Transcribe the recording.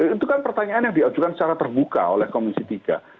itu kan pertanyaan yang diajukan secara terbuka oleh komisi tiga